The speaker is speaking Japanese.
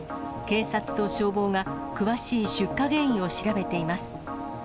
警察と消防が詳しい出火原因を調べています。